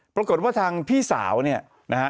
ปรากฏว่าทางพี่สาวเนี่ยนะฮะ